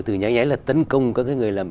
từ nháy nháy là tấn công các người làm